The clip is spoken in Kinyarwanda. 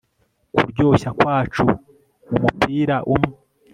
kuryoshya kwacu mumupira umwe